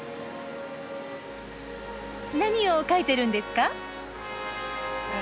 何を描いてるんですか？